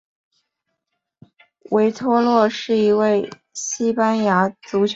维托洛是一位西班牙足球运动员。